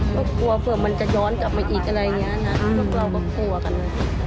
ก็กลัวเผื่อมันจะย้อนกลับมาอีกอะไรอย่างนี้นะพวกเราก็กลัวกัน